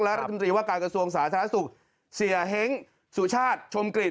และรัฐมนตรีว่าการกระทรวงสาธารณสุขเสียเฮ้งสุชาติชมกลิ่น